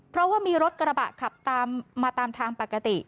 เพราะว่ามีรถกระบะขับตามมาตามทางปกติ